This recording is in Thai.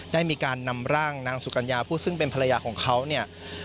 ได้มีการนำร่างนางสุกัญญาผู้ซึ่งเป็นภรรยาของเขาเนี่ย